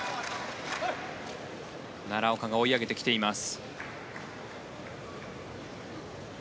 奈良岡が追い上げてきています。